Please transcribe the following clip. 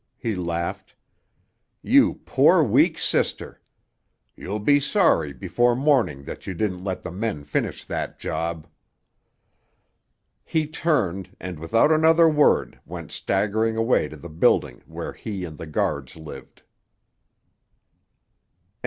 he laughed. "You poor weak sister! You'll be sorry before morning that you didn't let the men finish that job!" He turned, and without another word went staggering away to the building where he and the guards lived.